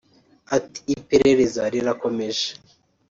Ati “Iperereza rirakomeje